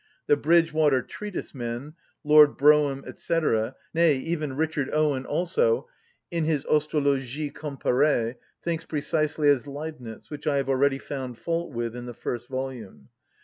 The Bridgewater‐ Treatise‐men—Lord Brougham, &c.—nay, even Richard Owen also, in his "Ostéologie Comparée," thinks precisely as Leibnitz, which I have already found fault with in the first volume.